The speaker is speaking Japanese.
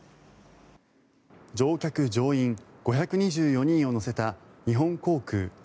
乗客・乗員５２４人を乗せた日本航空１２３